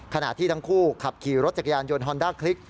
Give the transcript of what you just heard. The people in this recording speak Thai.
ขณะที่ทั้งคู่ขับขี่รถจักรยานยนต์ฮอนด้าคลิก